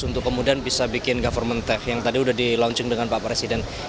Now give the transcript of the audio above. untuk kemudian bisa bikin government tech yang tadi sudah di launching dengan pak presiden